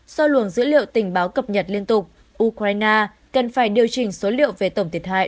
sau luồng dữ liệu tình báo cập nhật liên tục ukraine cần phải điều chỉnh số liệu về tổng thiệt hại